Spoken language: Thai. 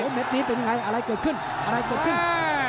เม็ดนี้เป็นไงอะไรเกิดขึ้นอะไรเกิดขึ้น